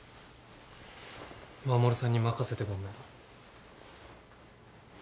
衛さんに任せてごめん。